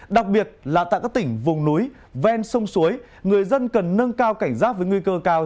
đặc biệt là tại các tỉnh vùng núi ven sông suối người dân cần nâng cao cảnh giác với nguy cơ cao